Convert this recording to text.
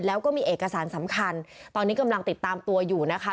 แล้วก็มีเอกสารสำคัญตอนนี้กำลังติดตามตัวอยู่นะคะ